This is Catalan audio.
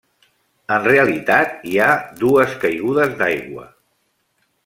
En realitat, hi ha dues caigudes d'aigua.